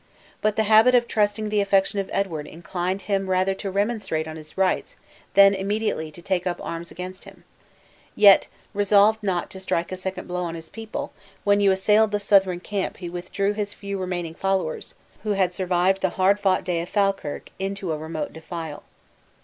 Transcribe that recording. But the habit of trusting the affection of Edward inclined him rather to remonstrate on his rights than immediately to take up arms against him; yet, resolved not to strike a second blow on his people, when you assailed the Southron camp he withdrew his few remaining followers, who had survived the hard fought day of Falkirk, into a remote defile.